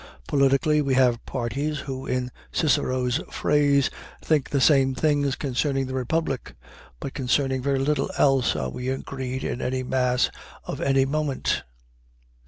Politically we have parties who, in Cicero's phrase, "think the same things concerning the republic," but concerning very little else are we agreed in any mass of any moment.